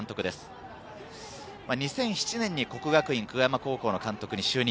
２００７年に國學院久我山高校の監督に就任。